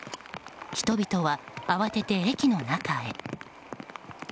人々は慌てて駅の中へ。